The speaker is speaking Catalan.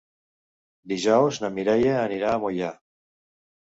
Dijous na Mireia anirà a Moià.